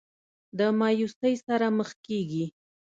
د مايوسۍ سره مخ کيږي